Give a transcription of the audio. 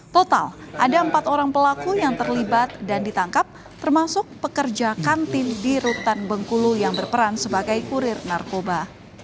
total ada empat orang pelaku yang terlibat dan ditangkap termasuk pekerja kantin di rutan bengkulu yang berperan sebagai kurir narkoba